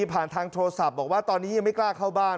ทางโทรศัพท์บอกว่าตอนนี้ยังไม่กล้าเข้าบ้าน